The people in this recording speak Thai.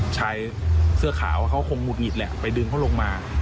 ชายเสื้อขาวเขาคงหุดหงิดแหละไปดึงเขาลงมา